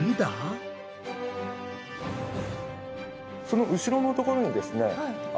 その後ろのところにですね